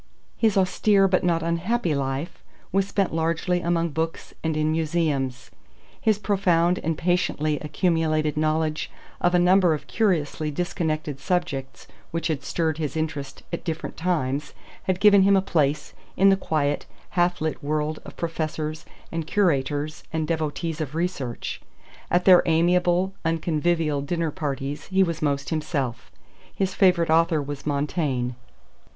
His austere but not unhappy life was spent largely among books and in museums; his profound and patiently accumulated knowledge of a number of curiously disconnected subjects which had stirred his interest at different times had given him a place in the quiet, half lit world of professors and curators and devotees of research; at their amiable, unconvivial dinner parties he was most himself. His favorite author was Montaigne.